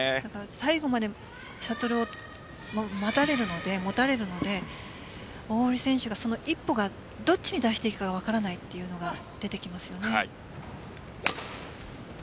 最後までシャトルを持たれるので大堀選手が一歩をどっちに出していいのか分からないというのが出てきますよね。